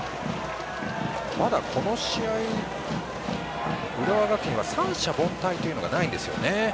まだ、この試合浦和学院は三者凡退というのがないんですね。